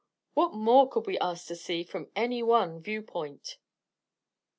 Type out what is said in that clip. What more could we ask to see from any one viewpoint?"